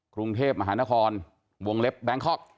กรุงเทพมหานครวงเล็บแบงคอก